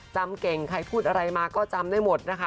จำเก่งใครพูดอะไรมาก็จำได้หมดนะคะ